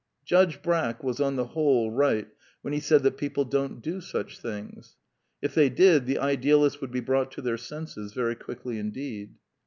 Judge Brack was, on the whole, right when he said that people don't do such things. If they did, the idealists would be brought to their senses very quickly indeed.